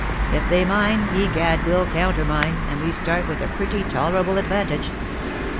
If they mine, egad we'll countermine, and we start with a pretty tolerable advantage.